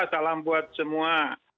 salam buat semua